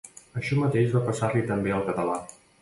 Això mateix va passar-li també al català.